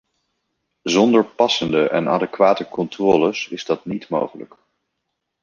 Zonder passende en adequate controles is dat niet mogelijk.